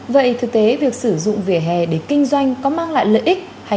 vậy thực tế việc sử dụng vỉa hè để kinh doanh có mang lại lợi ích hay